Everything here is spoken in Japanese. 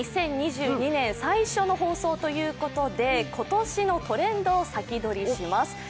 ２０２２年最初の放送ということで、今年のトレンドを先取りします。